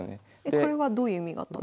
これはどういう意味があったんですか？